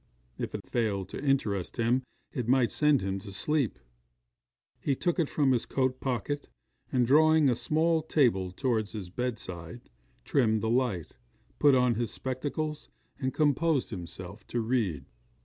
If it failed to interest him, it might send him to sleep. He took it from his coat pocket, and drawing a small table towards his bedside, trimmed the light, put on his spectacles, and composed himself to read.